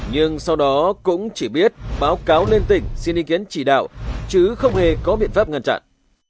nhưng sau đó cũng chỉ biết báo cáo lên tỉnh xin ý kiến chỉ đạo chứ không hề có biện pháp ngăn chặn